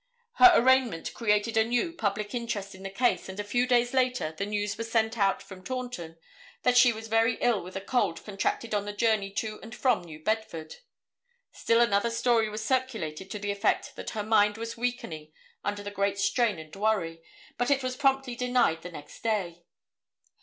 Her arraignment created anew public interest in the case and a few days later the news was sent out from Taunton that she was very ill with a cold contracted on the journey to and from New Bedford. Still another story was circulated to the effect that her mind was weakening under the great strain and worry, but it was promptly denied the next day.